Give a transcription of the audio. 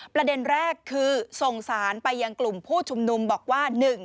ประเด็นแรกคือส่งสารไปยังกลุ่มผู้ชุมนุมบอกว่า